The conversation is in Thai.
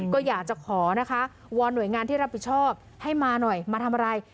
ก็อยากจะขอนะคะวอนหน่วยงานที่รับผิดชอบให้มาหน่อยมาทำอะไร